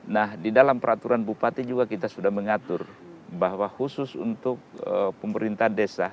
nah di dalam peraturan bupati juga kita sudah mengatur bahwa khusus untuk pemerintah desa